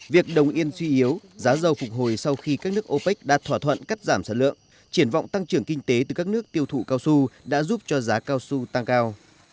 việc đồng yên suy yếu giá dầu phục hồi sau khi các nước opec đã thỏa thuận cắt giảm sản lượng triển vọng tăng trưởng kinh tế từ các nước tiêu thụ cao su đã giúp cho giá cao su tăng cao